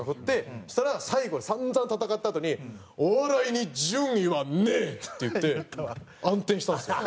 そしたら最後にさんざん戦ったあとに「お笑いに順位はねえ！」って言って暗転したんですよ。